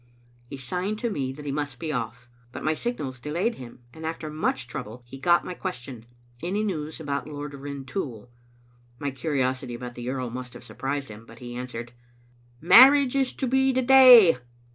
" He signed to me that he must be off, but my signals delayed him, and after much trouble he got my ques tion, "Any news about Lord Rintoul?" My curiosity about the earl must have surprised him, but he answered :" Marriage is to be the day